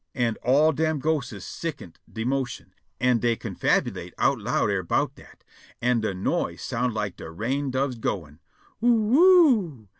An' all dem ghostes sicond de motion, an' dey confabulate out loud erbout dat, an' de noise soun' like de rain doves goin', "Oo oo o o o!"